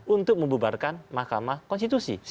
untuk membebarkan mahkamah konstitusi